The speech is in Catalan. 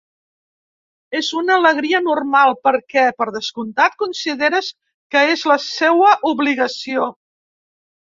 És una alegria normal perquè, per descomptat, consideres que és la seua obligació.